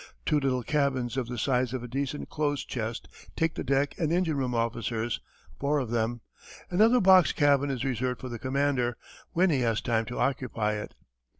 Two little cabins of the size of a decent clothes chest take the deck and engine room officers, four of them. Another box cabin is reserved for the commander when he has time to occupy it.